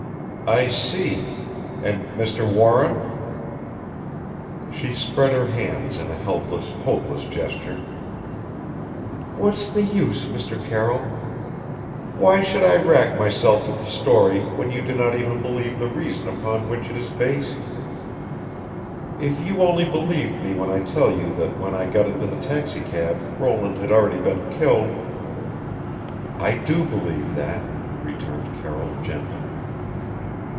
"I see And Mr. Warren ?" She spread her hands in a helpless, hopeless gesture. "What's the use, Mr. Carroll? Why, should I wrack myself with the story when you do not even believe the reason upon which it is based? If you only believed me when I tell you that when I got into the taxicab Roland had already been killed " "I do believe that," returned Carroll gently.